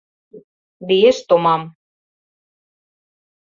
Лиеш томам.